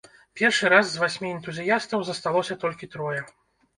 Першы раз з васьмі энтузіястаў засталося толькі трое.